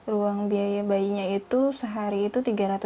ruang biaya bayinya itu sehari itu tiga ratus